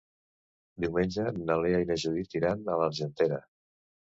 Diumenge na Lea i na Judit iran a l'Argentera.